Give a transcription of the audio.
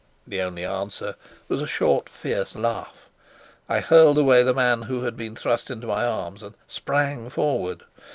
The only answer was a short, fierce laugh. I hurled away the man who had been thrust into my arms and sprang forward.